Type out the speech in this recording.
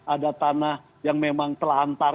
ada tanah yang memang telantar